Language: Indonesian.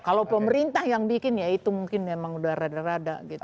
kalau pemerintah yang bikin ya itu mungkin memang udah rada rada gitu